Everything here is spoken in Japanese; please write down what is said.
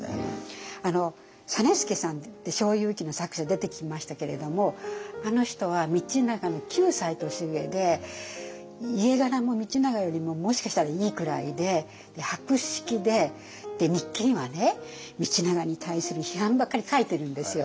実資さんって「小右記」の作者出てきましたけれどもあの人は道長の９歳年上で家柄も道長よりももしかしたらいいくらいで博識で日記にはね道長に対する批判ばっかり書いてるんですよ。